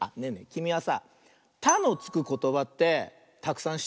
きみはさ「た」のつくことばってたくさんしってる？